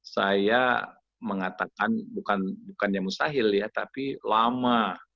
saya mengatakan bukan yang mustahil ya tapi lama